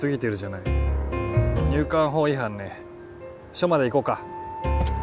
署まで行こうか。